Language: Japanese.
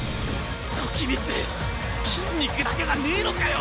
時光筋肉だけじゃねえのかよ！